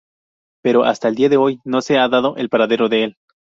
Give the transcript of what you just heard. Pero hasta el dia de hoy no se ha dado el paradero de el.